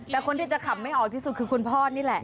แต่คนที่จะขับไม่ออกที่สุดคือคุณพ่อนี่แหละ